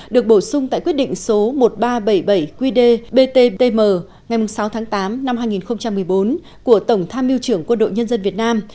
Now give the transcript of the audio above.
được bổ sung tại quyết định số một nghìn ba trăm bảy mươi bảy quy đề bttm ngày sáu tháng tám năm hai nghìn một mươi bốn của tổng tham miêu trưởng quân đội nhân dân việt nam